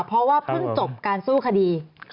เพราะว่าเพิ่งจบการสู้คดี